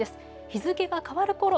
日付が変わるころ